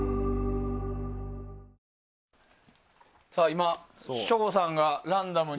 今、省吾さんがランダムに。